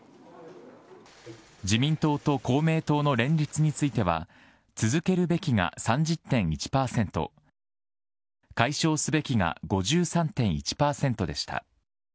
自民党と公明党の連立については、続けるべきが３０．１％、解消すべきが５３．１％でした。